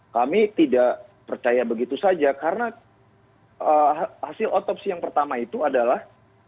kami tidak percaya begitu saja karena hasil otopsi yang pertama itu adalah